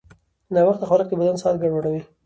ناوخته خوراک د بدن ساعت ګډوډوي.